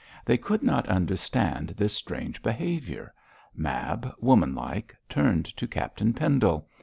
They could not understand this strange behaviour. Mab, woman like, turned on Captain Pendle.